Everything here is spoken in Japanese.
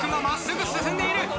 真っすぐ進んでいる。